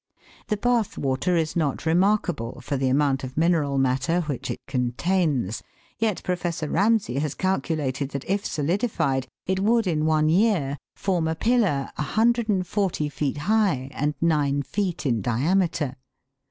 The Bath water is not remarkable for the amount of mineral matter which it contains, yet Professor Ramsay has calculated that if solidified, it would in one year form a pillar 140 feet high and nine feet in diameter.